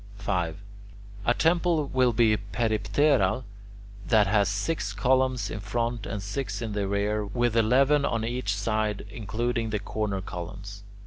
5. A temple will be peripteral that has six columns in front and six in the rear, with eleven on each side including the corner columns.